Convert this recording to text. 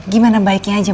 gimana baiknya aja